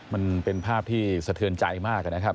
มันเป็นภาพที่สะเทือนใจมากนะครับ